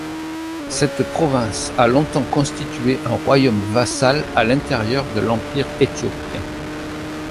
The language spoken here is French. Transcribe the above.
Cette province a longtemps constitué un royaume vassal à l’intérieur de l’empire éthiopien.